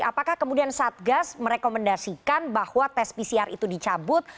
apakah kemudian satgas merekomendasikan bahwa tes pcr itu dicabut